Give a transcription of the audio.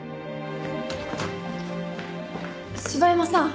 柴山さん。